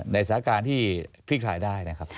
สถานการณ์ที่คลี่คลายได้นะครับ